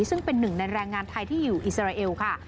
ซึ่งเป็นหนึ่งในแรงงานไทยที่อยู่อิสราเอลค่ะ